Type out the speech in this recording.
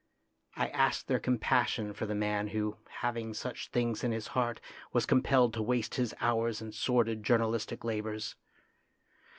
I asked their compassion for the man who, having such things in his heart, was compelled to waste his hours in sordid journal istic labours.